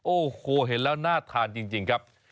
โอ้โหเห็นแล้วน่าทานจริงครับ